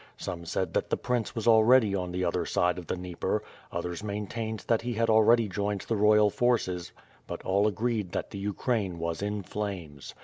Some said that the prince was already on the other side of the Dnieper, others main tained that he had already joined the Royal forces but all WITH FIRE AND HWOKD. J85 agreed that the Ukraine was in flames.